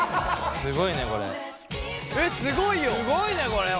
すごいねこれは。